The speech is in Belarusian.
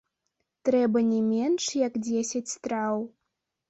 Трэба не менш як дзесяць страў.